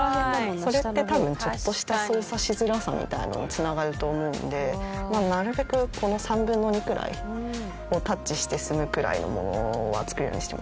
それって多分ちょっとした操作しづらさみたいなのに繋がると思うんでなるべくこの３分の２くらいをタッチして済むくらいのものは作るようにしてますね。